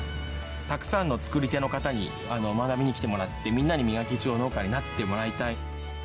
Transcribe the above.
たくさんの作り手の方に学びに来てもらって、みんなにミガキイチゴ農家になってもらいたい。